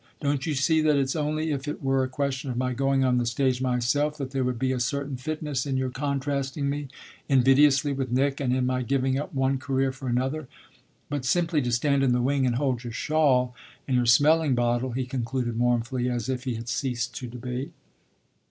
Don't you see that it's only if it were a question of my going on the stage myself that there would be a certain fitness in your contrasting me invidiously with Nick and in my giving up one career for another? But simply to stand in the wing and hold your shawl and your smelling bottle !" he concluded mournfully, as if he had ceased to debate.